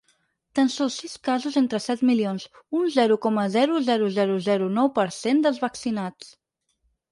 Tan sols sis casos entre set milions, un zero coma zero zero zero zero nou per cent dels vaccinats.